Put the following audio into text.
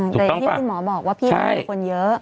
แต่อย่างที่คุณหมอบอกว่าพี่มามีคนเยอะ